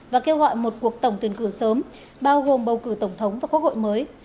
và kêu gọi một cuộc tổng tuyển cử sớm bao gồm bầu cử tổng thống và quốc hội mới